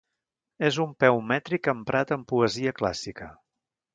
És un peu mètric emprat en poesia clàssica.